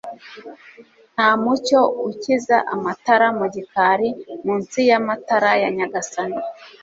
Nta mucyo ukiza amatara mu gikari munsi yamatara ya Nyagasani